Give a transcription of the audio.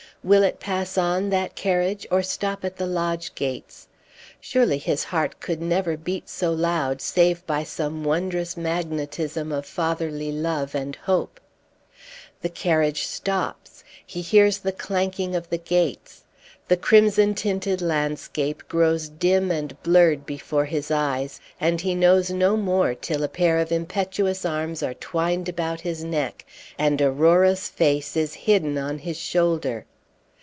Will it pass on, that carriage, or stop at the lodge gates? Surely his heart could never beat so loud save by some wondrous magnetism of fatherly love and hope. The carriage stops. He hears the clanking of the gates; the crimson tinted landscape grows dim and blurred before his eyes, and he knows no more till a pair of impetuous arms are twined about his neck, and Aurora's face is hidden on his shoulder.